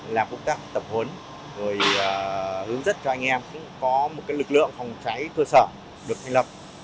họ cũng đang tập hốn hướng dất cho anh em có một lực lượng phòng cháy cơ sở được thành lập